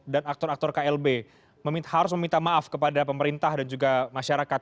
dan aktor aktor klb harus meminta maaf kepada pemerintah dan juga masyarakat